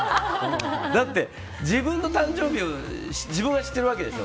だって、自分の誕生日を自分は知ってるわけでしょ。